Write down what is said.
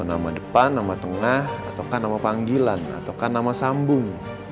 nama depan nama tengah ataukah nama panggilan ataukah nama sambung